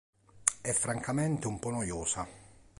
È, francamente, un po' noiosa.